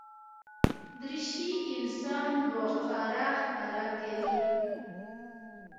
دریشي انسان باوقاره ښکاره کوي.